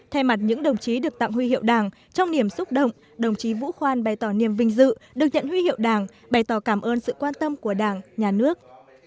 thay mặt những đồng chí được tặng huy hiệu đảng trong niềm xúc động đồng chí vũ khoan bày tỏ niềm vinh dự được nhận huy hiệu đảng bày tỏ cảm ơn sự quan tâm của đảng nhà nước